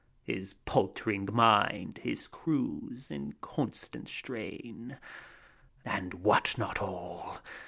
His paltering mind, his crew's inconstant strain. And what not all?